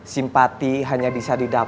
semua orang yang dikasih ikan